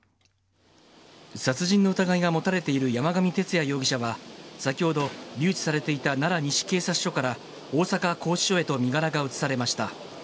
殺人の疑いが持たれている山上徹也容疑者は先ほど、留置されていた奈良西警察署から大阪拘置所へと身柄が移されました。